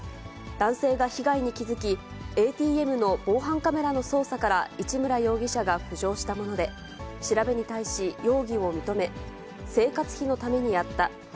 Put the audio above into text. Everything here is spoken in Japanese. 男性が被害に気付き、ＡＴＭの防犯カメラの捜査から市村容疑者が浮上したもので、調べに対し容疑を認め、生活費のためにやった。